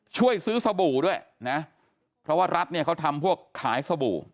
ช่วยซื้อสบู่ด้วยนะเพราะว่ารัฐเนี่ยเขาทำพวกขายสบู่